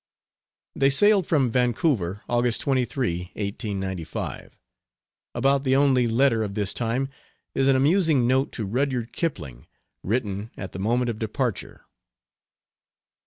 They sailed from Vancouver August 23, 1895. About the only letter of this time is an amusing note to Rudyard Kipling, written at the moment of departure.